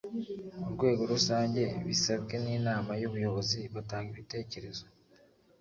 urwego rusange bisabwe n inama y ubuyobozi batanga ibitekerezo